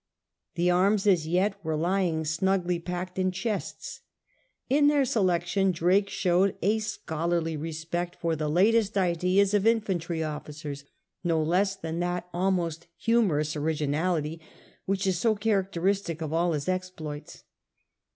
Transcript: The arms as yet were lying snugly packed in chests In their selection Drake showed a scholarly respect for the latest ideas of infantry officers, no less than that almost humorous originality which is so characteristic of all his exploits.